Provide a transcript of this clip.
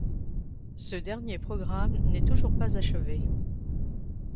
Ce dernier programme n'est toujours pas achevé.